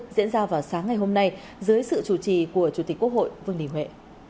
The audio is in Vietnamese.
diễn ra vào sáng ngày hôm nay dưới sự chủ trì của chủ tịch quốc hội vương đình huệ